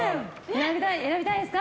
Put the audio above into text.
選びたいですか？